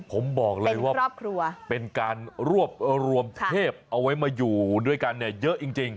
ผมบอกเลยว่าเป็นการรวมเทพเอาไว้มาอยู่ด้วยกันเยอะจริง